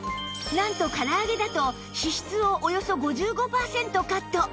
なんと唐揚げだと脂質をおよそ５５パーセントカット